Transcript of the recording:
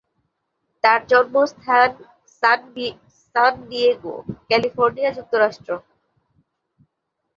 তার জন্মস্থান San Diego, California, যুক্তরাষ্ট্র।